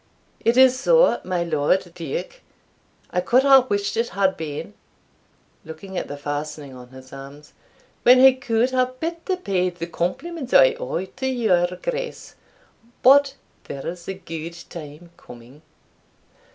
"It is so, my Lord Duke; I could have wished it had been" (looking at the fastening on his arms) "when I could have better paid the compliments I owe to your Grace; but there's a gude time coming."